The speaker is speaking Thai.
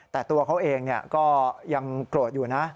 แต่ตัวเขาเองก็ยังโกรธอยู่นะ